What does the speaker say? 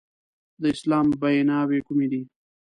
د اسلام بیناوې کومې دي؟